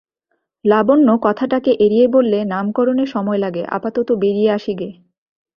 লাবণ্য কথাটাকে এড়িয়ে বললে, নামকরণে সময় লাগে, আপাতত বেড়িয়ে আসি গে।